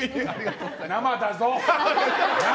生だぞ。